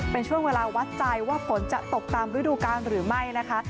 เป็นช่วงเวลาวัดใจว่าฝนจะตกตามฤดูการหรือไม่นะคะ